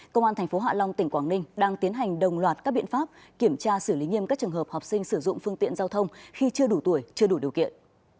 công an tp hạ long tỉnh quảng ninh đang tiến hành đồng loạt các biện pháp kiểm tra xử lý nghiêm các trường hợp học sinh sử dụng phương tiện giao thông khi chưa đủ tuổi chưa đủ điều kiện